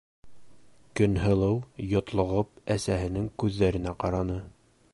- Көнһылыу йотлоғоп әсәһенең күҙҙәренә ҡараны.